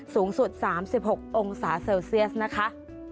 สูงสุด๓๖องศาเซลเซียสนะคะ